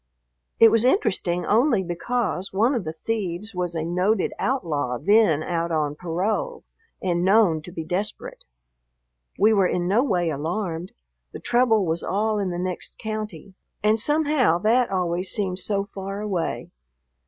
It was interesting only because one of the thieves was a noted outlaw then out on parole and known to be desperate. We were in no way alarmed; the trouble was all in the next county, and somehow that always seems so far away.